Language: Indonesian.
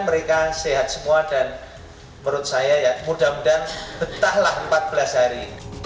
mereka sehat semua dan menurut saya ya mudah mudahan betahlah empat belas hari